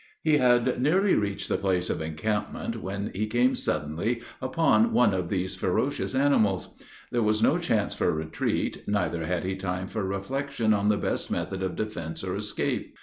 He had nearly reached the place of encampment, when he came suddenly upon one of these ferocious animals. There was no chance for retreat, neither had he time for reflection on the best method of defence or escape.